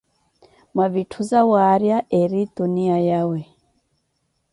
Mwa vitthu zawaarya eri tuniya yawe.